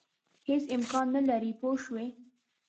هېڅ امکان نه لري پوه شوې!.